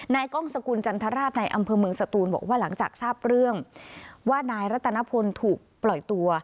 กล้องสกุลจันทราชในอำเภอเมืองสตูนบอกว่าหลังจากทราบเรื่องว่านายรัตนพลถูกปล่อยตัว